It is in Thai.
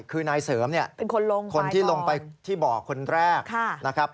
คือนายเสริมเป็นคนลงไปที่บ่อคนแรก